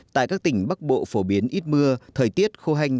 tại các tỉnh bắc bộ phổ biến ít mưa thời tiết khô hành